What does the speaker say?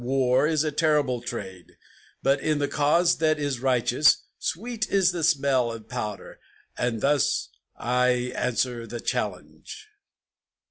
War is a terrible trade; but in the cause that is righteous, Sweet is the smell of powder; and thus I answer the challenge!"